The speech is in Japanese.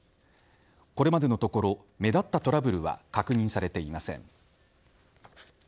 これまでのところ目立ったトラブルは確認されていません。